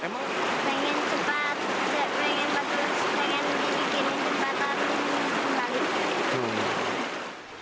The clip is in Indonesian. pengen cepat pengen bagus pengen bikin jembatan kembali